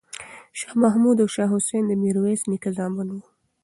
شاه محمود او شاه حسین د میرویس نیکه زامن وو.